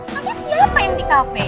maka siapa yang di cafe